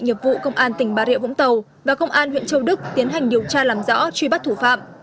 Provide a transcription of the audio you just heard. nghiệp vụ công an tỉnh bà rịa vũng tàu và công an huyện châu đức tiến hành điều tra làm rõ truy bắt thủ phạm